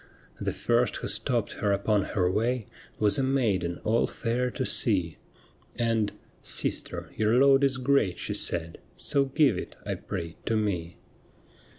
The first who stopped her upon her way Was a maiden all fair to see, And, ' Sister, your load is great,' she said, ' So give it, I pray, to me.'